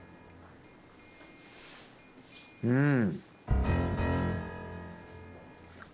うん。